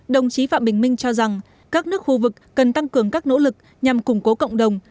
đồng chí phạm bình minh cho rằng các nước khu vực cần tăng cường các nỗ lực nhằm củng cố cộng đồng